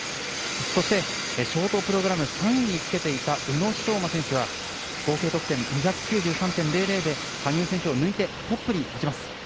そしてショートプログラム３位につけていた宇野昌磨選手は合計得点２９３．００で羽生選手を抜いてトップに立ちます。